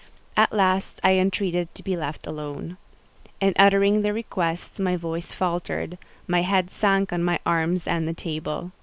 At last I entreated to be let alone. In uttering the request, my voice faltered, my head sank on my arms and the table.